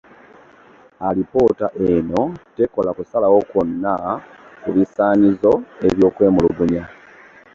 Alipoota eno tekola kusalawo kwonna kubisanyizo eby’okwemulugunya.